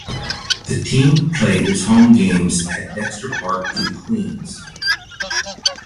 The team played its home games at Dexter Park in Queens.